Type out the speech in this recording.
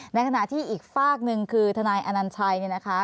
ในขณะที่อีกฝากหนึ่งคือทนายอนัญชัยเนี่ยนะคะ